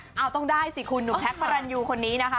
เอาต้องได้สิคุณหนุ่มแท็กพระรันยูคนนี้นะคะ